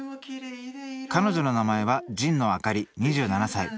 彼女の名前は神野明里２７歳。